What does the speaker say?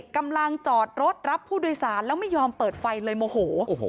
กำลังจอดรถรับผู้โดยสารแล้วไม่ยอมเปิดไฟเลยโมโห